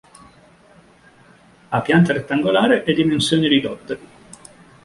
Ha pianta rettangolare e dimensioni ridotte.